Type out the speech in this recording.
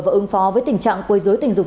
và ứng phó với tình trạng quấy rối tình dục